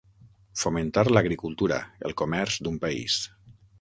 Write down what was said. Fomentar l'agricultura, el comerç d'un país.